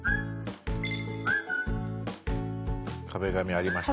「壁紙」ありました。